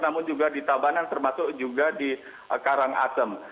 namun juga di tabanan termasuk juga di karangasem